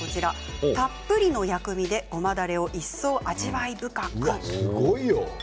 たっぷりの薬味で、ごまだれを一層味わい深く。